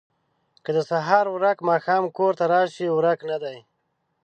ـ که د سهار ورک ماښام کور ته راشي ورک نه دی